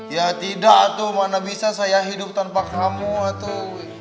ya tidak tuh mana bisa saya hidup tanpa kamu atau